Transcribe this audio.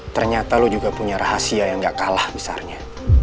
ternyata lo juga punya rahasia yang gak kalah besarnya